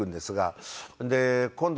で今度